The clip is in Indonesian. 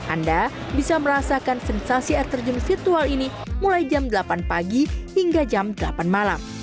anda bisa merasakan sensasi air terjun virtual ini mulai jam delapan pagi hingga jam delapan malam